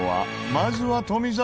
まずは富澤！